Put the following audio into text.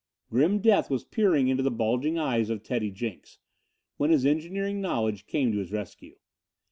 Grim death was peering into the bulging eyes of Teddy Jenks, when his engineering knowledge came to his rescue.